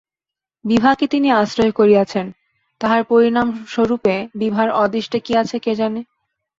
বিভাকে তিনি আশ্রয় করিয়াছেন, তাহার পরিণামস্বরূপে বিভার অদৃষ্টে কী আছে কে জানে।